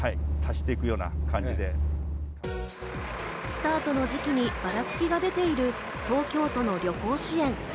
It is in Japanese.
スタートの時期にばらつきが出ている東京都の旅行支援。